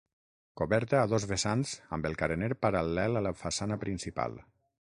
Coberta a dos vessants amb el carener paral·lel a la façana principal.